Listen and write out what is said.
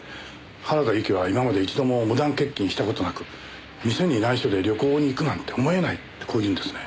原田由紀は今まで一度も無断欠勤した事なく店に内緒で旅行に行くなんて思えないってこう言うんですね。